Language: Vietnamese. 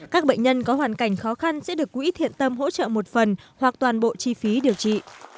các bệnh nhân có hoàn cảnh khó khăn sẽ được quỹ thiện tâm hỗ trợ một phần hoặc toàn bộ chi phí điều trị